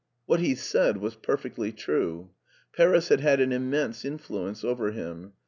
What he said was perfectly true. Paris had had an immense influence over him.